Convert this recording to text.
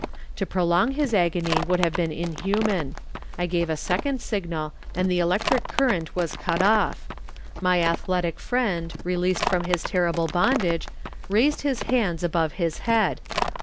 To prolong his agony would have been inhuman. I gave a second signal, and the electric current was cut off. My athletic friend, released from his terrible bondage, raised his hands above his head.